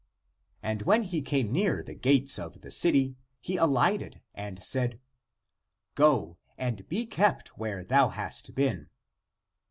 And when he came near the gates of the city, he alighted and said, " Go and be kept where thou hast been."